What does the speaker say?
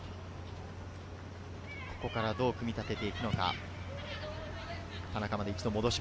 ここからどう組み立てていくか。